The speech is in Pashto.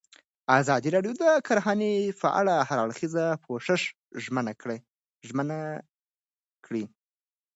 ازادي راډیو د کرهنه په اړه د هر اړخیز پوښښ ژمنه کړې.